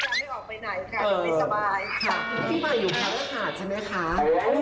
แต่ว่านี่เป้ยออกไปไหนดูไม่สบาย